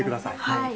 はい。